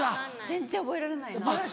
全然覚えられないな。